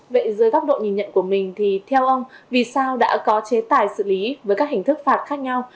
vậy dưới góc độ nhìn nhận của mình thì theo ông vì sao đã có chế tài xử lý với các hình thức phạt khác nhau